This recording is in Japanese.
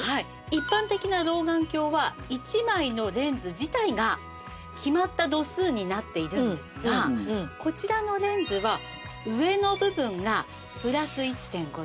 一般的な老眼鏡は１枚のレンズ自体が決まった度数になっているんですがこちらのレンズは上の部分がプラス１．５度。